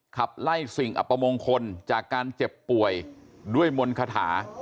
ขับไล่สิ่งอัปมงคลจากการเจ็บป่วยด้วยมนต์คาถา